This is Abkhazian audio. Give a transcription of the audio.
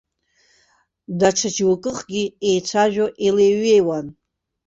Даҽа џьоукыхгьы еицәажәо илеиҩеиуан.